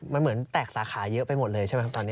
มันเหมือนแตกสาขาเยอะไปหมดเลยใช่ไหมครับตอนนี้